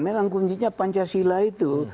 memang kuncinya pancasila itu